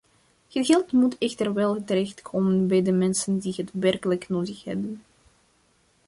Het geld moet echter wel terechtkomen bij de mensen die het werkelijk nodig hebben.